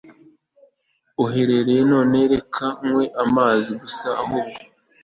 Uhereye none reka kunywa amazi gusa ahubwo